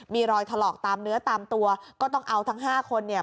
มีรอยถลอกตามเนื้อตามตัวก็ต้องเอาทั้ง๕คนเนี่ย